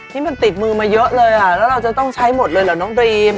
ที่มันติดมือมาเยอะเลยค่ะแล้วเราจะต้องใช้หมดเลยเหรอน้องดรีม